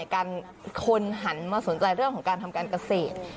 คนหันมาสนใจเรื่องของการทำการเกษตร